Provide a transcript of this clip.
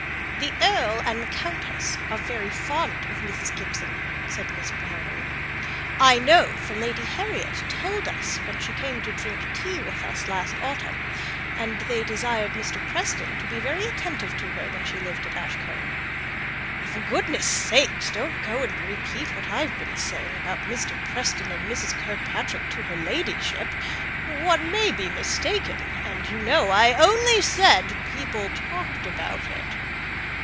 "The earl and the countess are very fond of Mrs. Gibson," said Miss Browning. "I know, for Lady Harriet told us when she came to drink tea with us last autumn; and they desired Mr. Preston to be very attentive to her when she lived at Ashcombe." "For goodness' sake don't go and repeat what I've been saying about Mr. Preston and Mrs. Kirkpatrick to her ladyship. One may be mistaken, and you know I only said 'people talked about it.'"